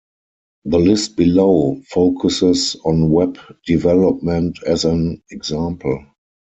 The list below focuses on Web development as an example.